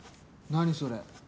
何それ？